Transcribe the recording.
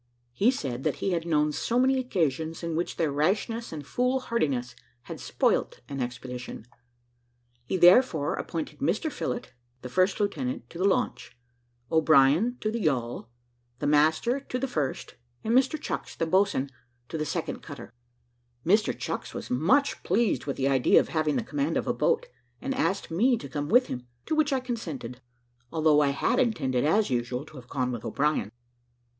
He said, that he had known so many occasions in which their rashness and foolhardiness had spoilt an expedition; he therefore appointed Mr Phillott, the first lieutenant, to the launch; O'Brien to the yawl; the master to the first, and Mr Chucks, the boatswain, to the second cutter. Mr Chucks was much pleased with the idea of having the command of a boat, and asked me to come with him, to which I consented, although I had intended as usual, to have gone with O'Brien.